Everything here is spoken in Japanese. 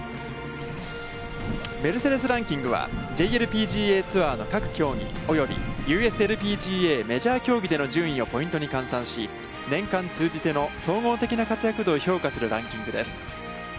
メルセデス・ランキングは、ＪＬＰＧＡツアーの各競技及びＵＳＬＰＧＡメジャー競技での順位をポイントに換算し、年間通じての総合的な活躍度を評価するランキングです。